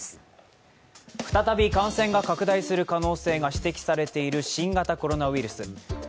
再び感染が拡大する可能性が指摘されている新型コロナウイルス。